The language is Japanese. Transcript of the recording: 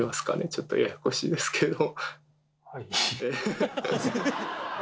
ちょっとややこしいですけど。